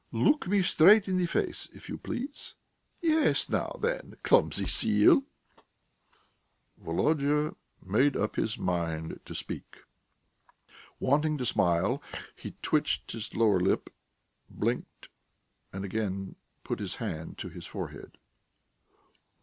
Look me straight in the face, if you please! Yes, now then, clumsy seal!" Volodya made up his mind to speak. Wanting to smile, he twitched his lower lip, blinked, and again put his hand to his forehead.